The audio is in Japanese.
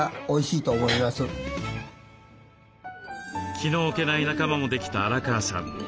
気の置けない仲間もできた荒川さん。